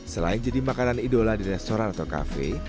selain jadi makanan idola di restoran atau kafe